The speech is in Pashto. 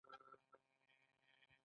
انسان جامې او خوراکي توکي تولیدوي